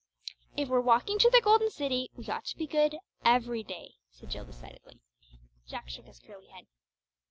"If we're walking to the Golden City, we ought to be good every day," said Jill decidedly. Jack shook his curly head.